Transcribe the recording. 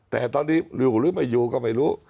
แต่ตอนนี้อยู่หรือไม่อยู่ก็ไม่รู้